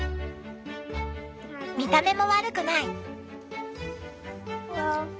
見た目も悪くない。